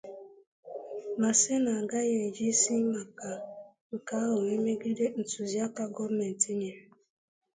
ma sị na a gaghị ejizị maka nke ahụ wee megide ntuziaka gọọmenti nyèrè